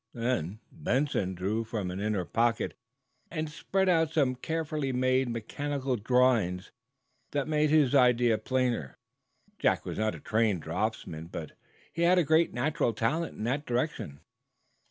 Then Benson drew from an inner pocket, and spread out, some carefully made mechanical drawings that made his idea plainer. Jack was not a trained draughtsman, but he had a great natural talent in that direction.